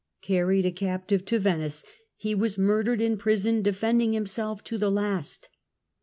Carried a captive to Venice, he was murdered in prison, defending himself to the last.